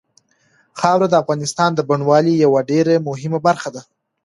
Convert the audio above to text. خاوره د افغانستان د بڼوالۍ یوه ډېره مهمه برخه ده.